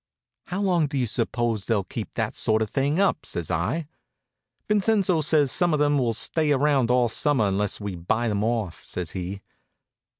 "How long do you suppose they'll keep that sort of thing up?" says I. "Vincenzo says some of them will stay around all summer unless we buy them off," says he.